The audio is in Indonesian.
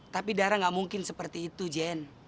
tapi dara gak mungkin seperti itu jen